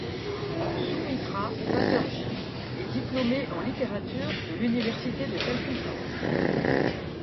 Soumitra Chatterjee est diplômé en littérature de l'université de Calcutta.